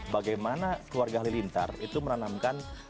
bagaimana keluarga halilintar itu menanamkan